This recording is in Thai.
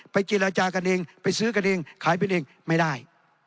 เจรจากันเองไปซื้อกันเองขายเป็นเองไม่ได้